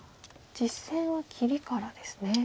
実戦は切りからですね。